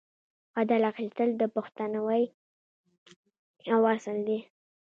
بدل اخیستل د پښتونولۍ یو اصل دی.